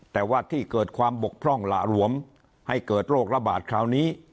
แต่ว่าที่เกิดความบกพร่องหละหลวมให้เกิดโรคระบาดคราวนี้